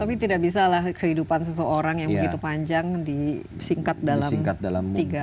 tapi tidak bisa lah kehidupan seseorang yang begitu panjang disingkat dalam tiga